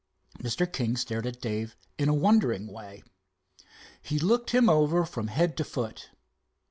Mr. King stared at Dave in a wondering way. He looked him over from head to foot.